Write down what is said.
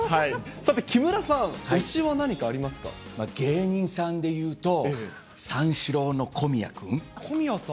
さて、木村さん、推しは何かあり芸人さんでいうと、三四郎の小宮さん？